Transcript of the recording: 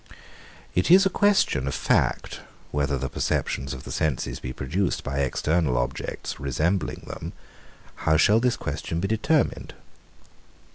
It is a question of fact, whether the perceptions of the senses be produced by external objects, resembling them: how shall this question be determined?